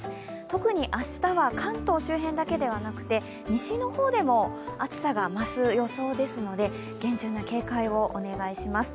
特に明日は、関東周辺だけではなくて西の方でも暑さが増す予想ですので、厳重な警戒をお願いします。